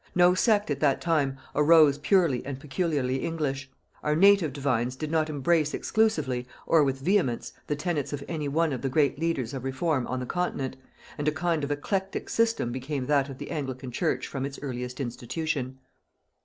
No sect at that time arose purely and peculiarly English: our native divines did not embrace exclusively, or with vehemence, the tenets of any one of the great leaders of reform on the continent, and a kind of eclectic system became that of the Anglican church from its earliest institution.